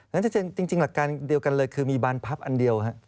ชัดเจนจริงหลักการเดียวกันเลยคือมีบานพับอันเดียว